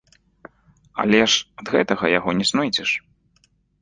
Але ж ад гэтага яго не знойдзеш.